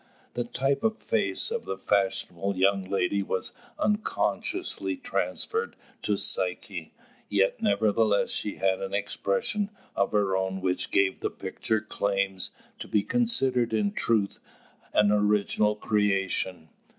The type of face of the fashionable young lady was unconsciously transferred to Psyche, yet nevertheless she had an expression of her own which gave the picture claims to be considered in truth an original creation.